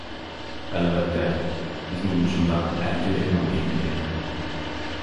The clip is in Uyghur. ئەلۋەتتە، بىزمۇ مۇشۇنداق ئەركىنلىكنىڭ مېھمىنى ئىدۇق.